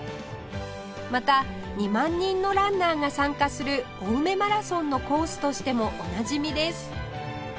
また２万人のランナーが参加する青梅マラソンのコースとしてもおなじみです